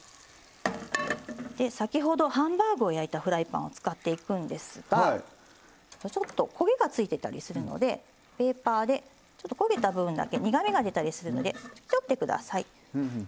先ほどハンバーグを焼いたフライパンを使っていくんですがちょっと焦げがついてたりするのでペーパーでちょっと焦げた部分だけ苦みが出たりするので拭き取ってください。